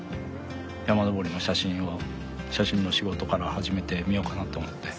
山登りの写真の仕事から始めてみようかなと思って。